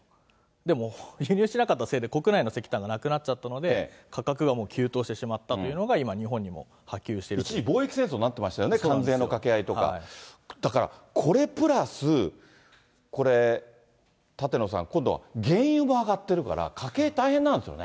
でも、輸入しなかったせいで、国内の石炭がなくなっちゃったので、価格が急騰してしまったというのが、今、一時、貿易戦争になってましたよね、関税の掛け合いとか、だから、これプラス、これ、舘野さん、今度は原油も上がってるから、家計大変なんですよね。